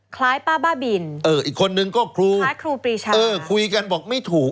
คล้ายป้าบ้าบินคล้ายครูปริชาเอออีกคนหนึ่งก็ครูเออคุยกันบอกไม่ถูก